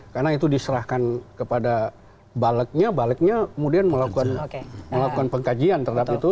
karena itu diserahkan kepada baleknya baliknya kemudian melakukan pengkajian terhadap itu